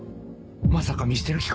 まさか見捨てる気か？